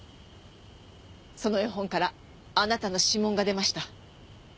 その絵本からあなたの指紋が出ました。